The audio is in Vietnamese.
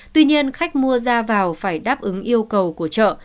tuy nhiên khách mua ra vào phải đáp ứng yêu cầu của chợ